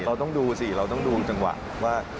เราต้องดูสิเราต้องดูจังหวะว่า